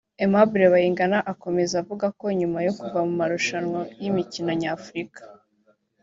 Aimable Bayingana akomeza avuga ko nyuma yo kuva mu marushanwa y’imikino nyafurika